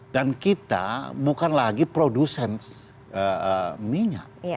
dan kita bukan lagi produsen minyak